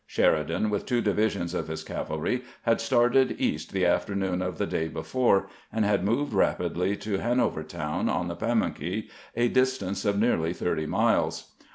Sheridan, with two divisions of his cavaky, had started east the afternoon of the day before, and had moved rapidly to Hanovertown on the Pamunkey, a distance of nearly thirty miles.